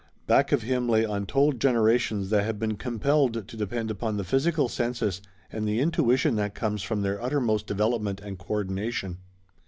Back of him lay untold generations that had been compelled to depend upon the physical senses and the intuition that comes from their uttermost development and co ordination.